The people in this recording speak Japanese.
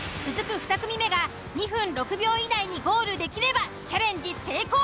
２組目が２分６秒以内にゴールできればチャレンジ成功。